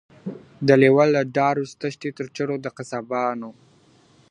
د لېوه له داړو تښتو تر چړو د قصابانو .